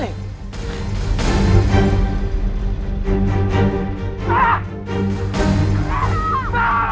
zerah zerah ustaz